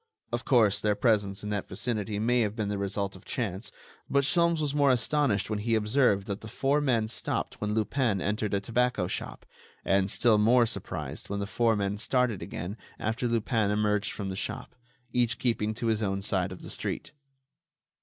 Of course, their presence in that vicinity may have been the result of chance, but Sholmes was more astonished when he observed that the four men stopped when Lupin entered a tobacco shop; and still more surprised when the four men started again after Lupin emerged from the shop, each keeping to his own side of the street.